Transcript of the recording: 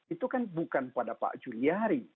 itu kan bukan pada pak juliari